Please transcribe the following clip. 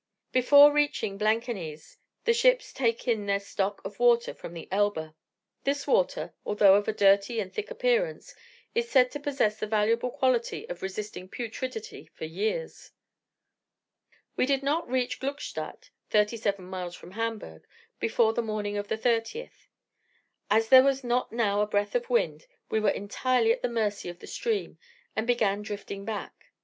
Before reaching Blankenese the ships take in their stock of water from the Elbe. This water, although of a dirty and thick appearance, is said to possess the valuable quality of resisting putridity for years. We did not reach Gluckstadt (37 miles from Hamburgh) before the morning of the 30th. As there was not now a breath of wind, we were entirely at the mercy of the stream, and began drifting back.